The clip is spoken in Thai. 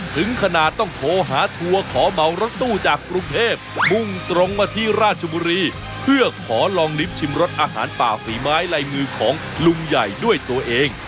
ถึงขนาดต้องโทรหาทัวร์ขอเหมารถตู้จากกรุงเทพมุ่งตรงมาที่ราชบุรีเพื่อขอลองลิ้มชิมรสอาหารป่าฝีไม้ลายมือของลุงใหญ่ด้วยตัวเอง